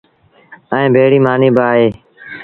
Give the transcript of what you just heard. ائيٚݩٚ ڀيڙيٚ مآݩيٚ با اهي۔